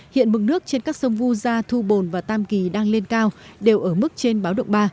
hiện mực nước trên các sông vu gia thu bồn và tam kỳ đang lên cao đều ở mức trên báo động ba